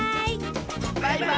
バイバーイ！